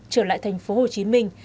trở lại thành phố hồ chí minh